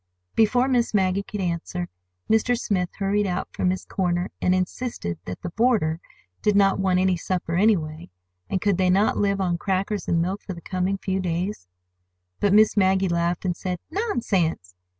Before Miss Maggie could answer, Mr. Smith hurried out from his corner and insisted that "the boarder" did not want any supper anyway—and could they not live on crackers and milk for the coming few days? But Miss Maggie laughed and said, "Nonsense!"